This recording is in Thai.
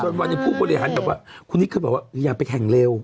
จนวันนี้ผู้บริหารแบบว่าคุณนี่คือแบบว่าอยากไปแข่งเร็ว